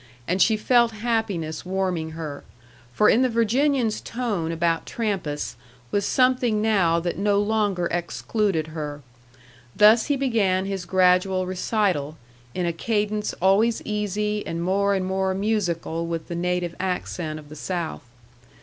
And she felt happiness warming her; for in the Virginian's tone about Trampas was something now that no longer excluded her. Thus he began his gradual recital, in a cadence always easy, and more and more musical with the native accent of the South.